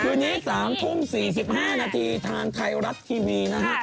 คืนนี้๓ทุ่ม๔๕นาทีทางไทยรัฐทีวีนะฮะ